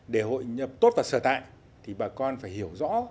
để hội nhập tốt và sở tại thì bà con phải hiểu rõ